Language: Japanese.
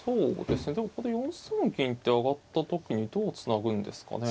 でもこれ４三銀って上がった時にどうつなぐんですかね。